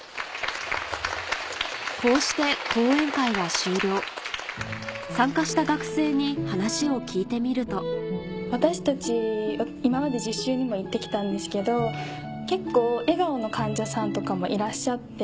こうして参加した学生に話を聞いてみると私たち今まで実習にも行って来たんですけど結構笑顔の患者さんとかもいらっしゃって。